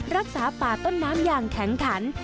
รักษาป่าต้นน้ำอย่างแข็งขัน